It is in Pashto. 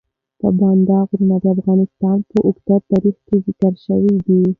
پابندی غرونه د افغانستان په اوږده تاریخ کې ذکر شوی دی.